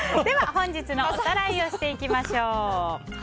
では、本日のおさらいをしていきましょう。